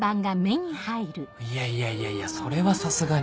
いやいやいやいやそれはさすがに